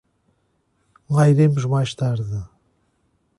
lá iremos mais tarde